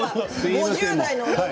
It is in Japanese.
５０代の。